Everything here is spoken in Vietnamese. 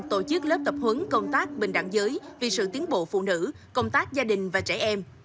tổ chức lớp tập huấn công tác bình đẳng giới vì sự tiến bộ phụ nữ công tác gia đình và trẻ em